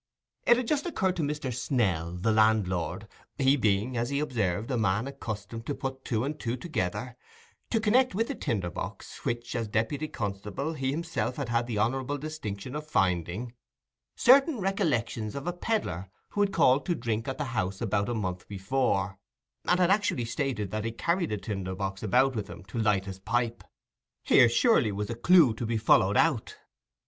It had just occurred to Mr. Snell, the landlord—he being, as he observed, a man accustomed to put two and two together—to connect with the tinder box, which, as deputy constable, he himself had had the honourable distinction of finding, certain recollections of a pedlar who had called to drink at the house about a month before, and had actually stated that he carried a tinder box about with him to light his pipe. Here, surely, was a clue to be followed out.